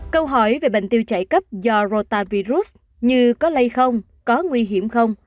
câu hỏi về bệnh tiêu chảy cấp do rotavirus như có lây không có nguy hiểm không